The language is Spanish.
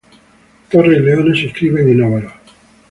Torres y leones se inscriben en óvalos.